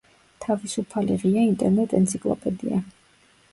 თავისუფალი ღია ინტერნეტ ენციკლოპედია.